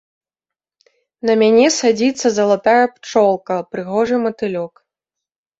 На мяне садзіцца залатая пчолка, прыгожы матылёк.